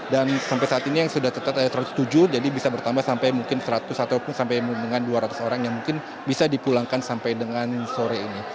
dan sampai saat ini yang sudah tetap ada satu ratus tujuh jadi bisa bertambah sampai mungkin seratus ataupun sampai dua ratus orang yang mungkin bisa dipulangkan sampai dengan sore ini